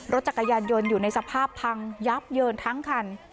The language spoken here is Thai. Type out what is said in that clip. รถจักรยานยนต์อยู่ในสภาพพังยับเยินทั้งคัน